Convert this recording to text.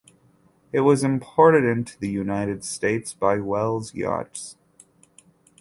It was imported into the United States by Wells Yachts.